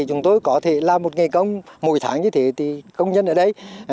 chúng tôi có thể làm một ngày công mỗi tháng như thế thì công nhân ở đây